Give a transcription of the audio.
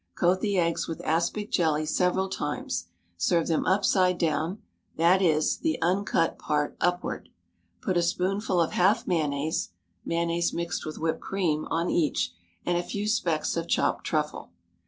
Coat the eggs with aspic jelly several times. Serve them upside down, that is, the uncut part upward. Put a spoonful of half mayonnaise (mayonnaise mixed with whipped cream) on each, and a few specks of chopped truffle.